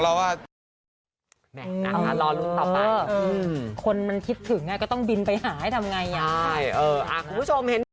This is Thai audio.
ใช่เออคุณผู้ชมเห็น